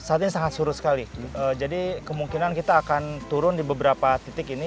saat ini sangat surut sekali jadi kemungkinan kita akan turun di beberapa titik ini